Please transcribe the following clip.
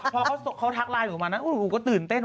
พอเขาทักไลน์ขึ้นมาหนูก็ตื่นเต้น